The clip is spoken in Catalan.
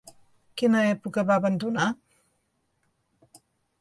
Quina època va abandonar?